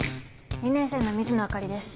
２年生の水野あかりです。